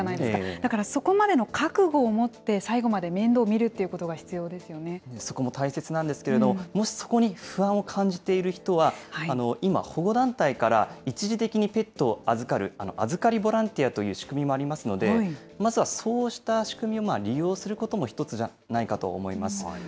だから、そこまでの覚悟を持って最後まで面倒を見るっていうことが必要でそこも大切なんですけれども、もしそこに不安を感じている人は、今、保護団体から一時的にペットを預かる、預かりボランティアという仕組みもありますので、まずはそうした仕組みを利用することも一つじゃないかと思います。